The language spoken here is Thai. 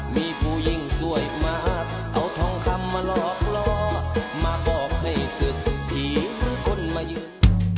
มีผู้หญิงสวยมากเอาทองคำมาหลอกล่อมาบอกให้ศึกผีหรือคนมายืน